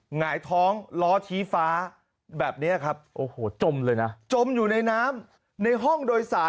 หงายท้อง